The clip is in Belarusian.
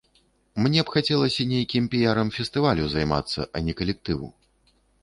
Мне б хацелася нейкім піярам фестывалю займацца, а не калектыву.